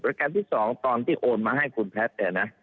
การที่๒ตอนที่โอนมาให้คุณแพทย์เนี่ยนะ